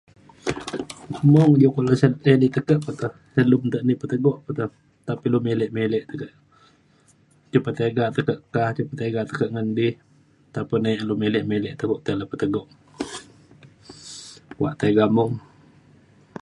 mung je kulu sen ti ni te ke ilu pete- ilu ni petegok pe te nta pe ilu milek milek te ke iu pa tiga tekak [unintelligible] tiga tekak ngan di ataupun di milek milek tegok tai le petegok. kuak tiga mung.